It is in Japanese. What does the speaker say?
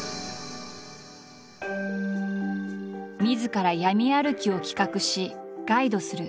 みずから「闇歩き」を企画しガイドする。